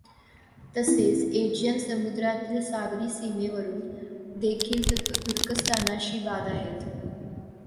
तसेच एजियन समुद्रातील सागरी सीमे वरुन देखील तुर्कस्तानाशी वाद आहेत.